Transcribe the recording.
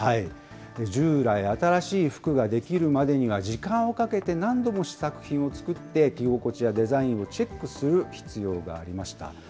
従来、新しい服ができるまでには時間をかけて、何度も試作品を作って着心地やデザインをチェックする必要がありました。